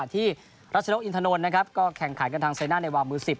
ที่รัชนกอินทนนท์นะครับก็แข่งขันกันทางไซน่าในวามือ๑๐